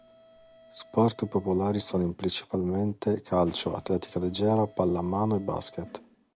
Sport popolari sono principalmente: calcio, atletica leggera, pallamano e basket.